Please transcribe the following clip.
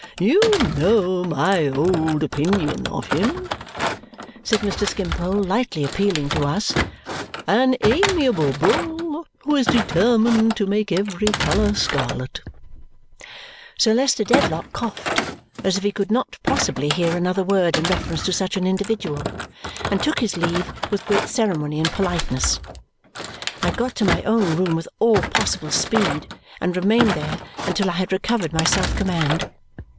"You know my old opinion of him," said Mr. Skimpole, lightly appealing to us. "An amiable bull who is determined to make every colour scarlet!" Sir Leicester Dedlock coughed as if he could not possibly hear another word in reference to such an individual and took his leave with great ceremony and politeness. I got to my own room with all possible speed and remained there until I had recovered my self command.